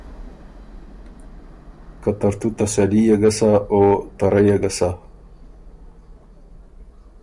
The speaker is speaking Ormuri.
که ترتُو تسلي يې ګۀ سَۀ او ته ره يې ګۀ سَۀ۔